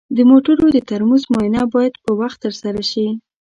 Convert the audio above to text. د موټرو د ترمز معاینه باید په وخت ترسره شي.